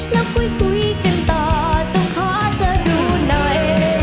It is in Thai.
แล้วคุยกันต่อต้องขอเธอดูหน่อย